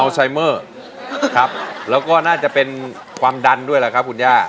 ไซเมอร์ครับแล้วก็น่าจะเป็นความดันด้วยแหละครับคุณย่า